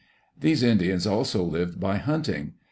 These Indians also lived by hunting.